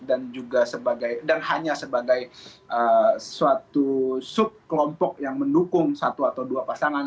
dan hanya sebagai suatu sub kelompok yang mendukung satu atau dua pasangan